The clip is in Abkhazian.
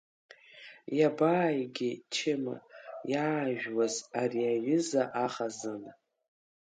Иабааигеи Чыма иаажәуаз ари аҩыза ахазына?